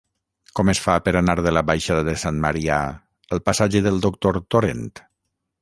Com es fa per anar de la baixada de Sant Marià al passatge del Doctor Torent?